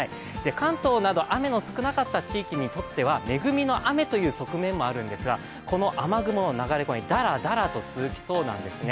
関東など雨の少なかった地域にとっては恵みの雨の側面があったんですがこの雨雲の流れ、だらだらと続きそうなんですね。